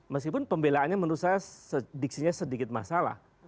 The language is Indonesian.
meskipun pembelaannya menurut saya diksinya sedikit masalah